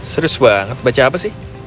serius banget baca apa sih